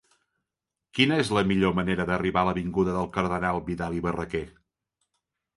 Quina és la millor manera d'arribar a l'avinguda del Cardenal Vidal i Barraquer?